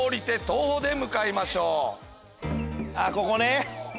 あっここね！